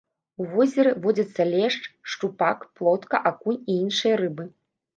У возеры водзяцца лешч, шчупак, плотка, акунь і іншыя рыбы.